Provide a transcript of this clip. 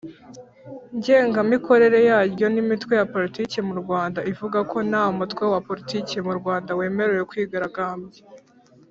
Ngengamikorere yaryo n Imitwe ya Politiki mu Rwanda ivuga ko ntamutwe wa politike mu Rwanda wemerewe kwigaragambya.